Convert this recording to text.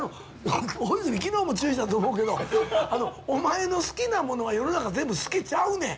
大泉昨日も注意したと思うけどお前の好きなものは世の中全部好きちゃうねん。